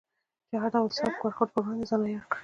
چې د هر ډول سپک برخورد پر وړاندې ځان عیار کړې.